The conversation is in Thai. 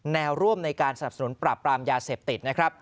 แนวร่วมในการสนับสนุนปราบปรามยาเสพติดนะครับ